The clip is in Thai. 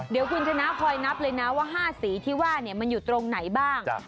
เดี๋ยวคุณชนะคอยนับเลยนะว่า๕สีที่ว่ามันอยู่ตรงไหนบ้าง